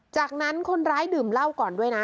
จากนั้นคนร้ายดื่มเหล้าก่อนด้วยนะ